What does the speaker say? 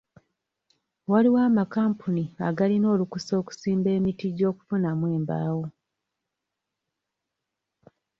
Waliwo amakampuni agalina olukusa okusimba emiti gy'okufunamu embaawo.